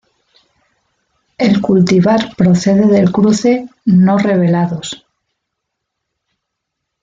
El cultivar procede del cruce ""no revelados"".